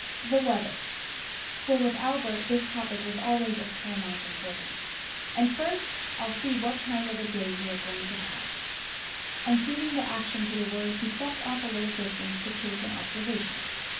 "The weather;" for with Albert this topic was always of paramount importance. "And first, I'll see what kind of a day we are going to have;" and suiting the action to the word, he stepped off a little distance to take an observation.